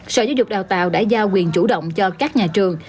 sở giáo dục đào tạo đã giao quyền chủ động cho các nhà trường